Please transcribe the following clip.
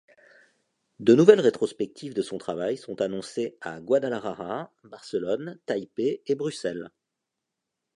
De nouvelles rétrospectives de son travail sont annoncées à Guadalajara, Barcelone, Taipei et Bruxelles.